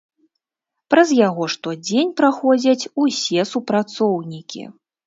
Праз яго штодзень праходзяць усе супрацоўнікі.